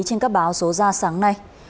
trên các báo số ra sáng nay